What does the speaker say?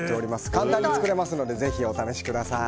簡単に作れますのでぜひお試しください。